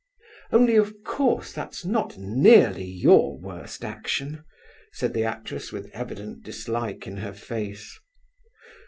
"Only, of course that's not nearly your worst action," said the actress, with evident dislike in her face.